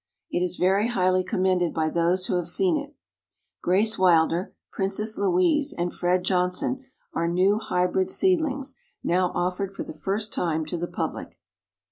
It is very highly commended by those who have seen it. Grace Wilder, Princess Louise and Fred Johnson, are new hybrid seedlings now offered for the first time to the public.